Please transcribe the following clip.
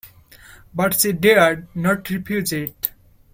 But she dared not refuse it.